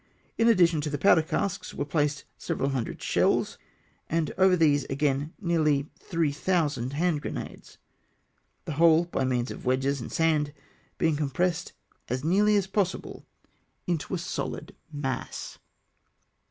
Li addition to the powder casks were placed several hundred shells, and over these again nearly three thousand hand grenades ; the whole, by means of wedges and sand, being compressed as nearly as possible into a sohd mass.